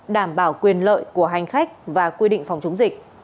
đảm bảo quyền lợi của hành khách và quy định phòng chống dịch